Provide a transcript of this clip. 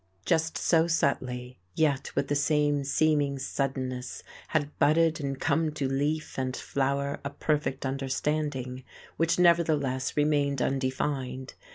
Just so subtly, yet with the same seeming suddenness had budded and come to leaf and flower a perfect understanding, which nevertheless remained undefined.